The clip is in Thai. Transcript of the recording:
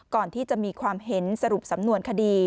ก่อนที่จะมีความเห็นสรุปสำนวนคดี